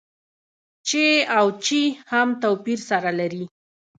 چې او چي هم توپير سره لري.